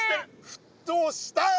沸騰したよ！